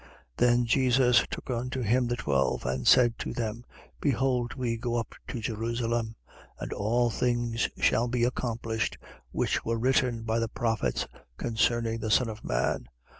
18:31. Then Jesus took unto him the twelve and said to them: Behold, we go up to Jerusalem; and all things shall be accomplished which were written by the prophets concerning the Son of man.